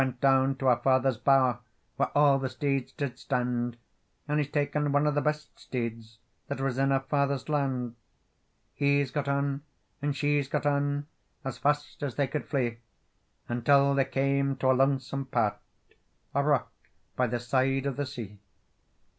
He went down to her father's bower, Where all the steeds did stand, And he's taken one of the best steeds That was in her father's land. He's got on and she's got on, As fast as they could flee, Until they came to a lonesome part, A rock by the side of the sea.